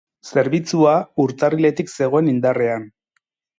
Zerbitzua urtarriletik zegoen indarrean.